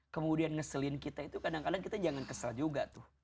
kemudian ngeselin kita itu kadang kadang kita jangan kesal juga tuh